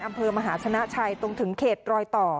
อำเภอมหาชนะชัยตรงถึงเขตรอยต่อ